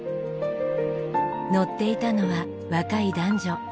乗っていたのは若い男女。